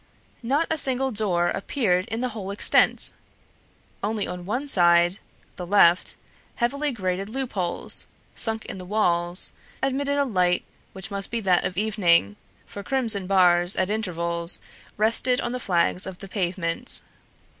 Not a single door appeared in the whole extent! Only on one side, the left, heavily grated loopholes, sunk in the walls, admitted a light which must be that of evening, for crimson bars at intervals rested on the flags of the pavement.